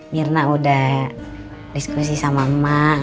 mirna udah diskusi sama emak